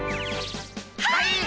はい！